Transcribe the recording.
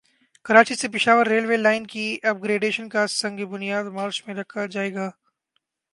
کراچی سے Peshawar railway line کی upgradation کا سنگ بنیاد مارچ میں رکھا جائے گا